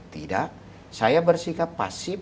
tidak saya bersikap pasif